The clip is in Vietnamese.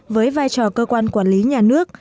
với vai trò cơ quan quản lý nhà nước